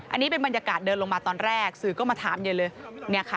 อันนี้เป็นบรรยากาศเดินลงมาตอนแรกสื่อก็มาถามเยอะเลย